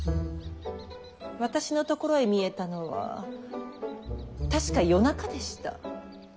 私のところへ見えたのは確か夜中でした。